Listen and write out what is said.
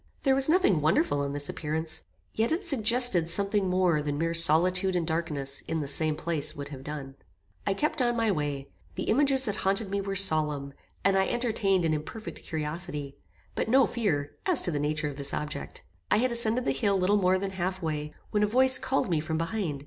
There was nothing wonderful in this appearance; yet it suggested something more than mere solitude and darkness in the same place would have done. "I kept on my way. The images that haunted me were solemn; and I entertained an imperfect curiosity, but no fear, as to the nature of this object. I had ascended the hill little more than half way, when a voice called me from behind.